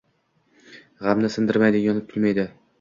G’amni simirmaydi, yonib kulmaydi